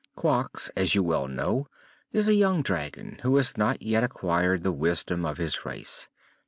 "Quox, as you well know, is a young dragon who has not yet acquired the wisdom of his race.